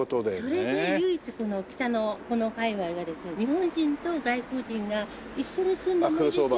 それで唯一この北野この界隈はですね日本人と外国人が一緒に住んでもいいですよという。